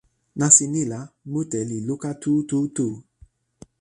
nasin ni la, mute li luka tu tu tu.